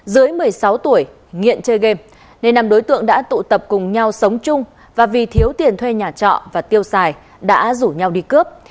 dưới một mươi sáu tuổi nghiện chơi game nên năm đối tượng đã tụ tập cùng nhau sống chung và vì thiếu tiền thuê nhà trọ và tiêu xài đã rủ nhau đi cướp